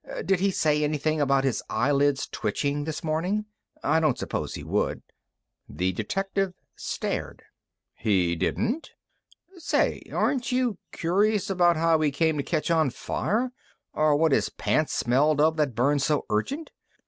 "Did he say anything about his eyelids twitching this morning? I don't suppose he would." The detective stared. "He didn't. Say aren't you curious about how he came to catch on fire? Or what his pants smelled of that burned so urgent?